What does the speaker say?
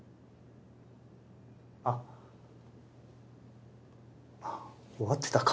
ああぁ終わってたか。